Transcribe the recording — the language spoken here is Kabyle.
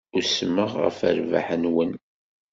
Usmeɣ ɣef rrbeḥ-nwen.